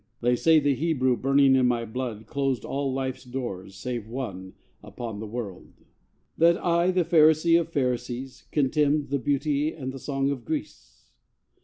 They say the Hebrew burning in my blood Closed all life's doors, save one, upon the world; That I, the Pharisee of Pharisees, Contemned the beauty and the song of Greece!